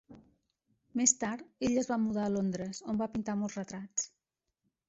Més tard ell es va mudar a Londres, on va pintar molts retrats.